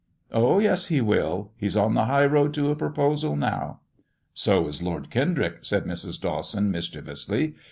Oh, yes, he will ! He's on the high road to a proposal now." " So is Lord Kendrick," said Mrs. Dawson, mischievously.